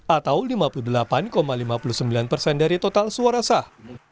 atau lima puluh delapan lima puluh sembilan persen dari total suara sah